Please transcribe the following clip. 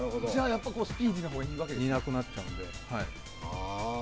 スピーディーなほうがいいわけですね。